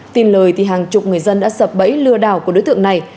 tin lời thì hàng chục người dân đã sập bẫy lừa đảo của đối tượng này